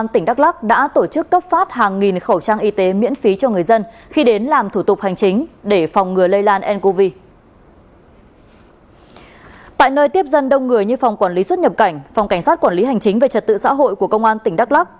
tại nơi tiếp dân đông người như phòng quản lý xuất nhập cảnh phòng cảnh sát quản lý hành chính về trật tự xã hội của công an tỉnh đắk lắc